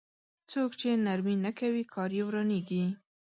څوک چې نرمي نه کوي کار يې ورانېږي.